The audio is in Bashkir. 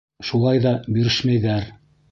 Шулай ҙа бирешмәйҙәр.